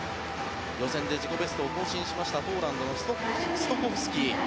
予選で自己ベストを更新しましたポーランドのストコフスキー。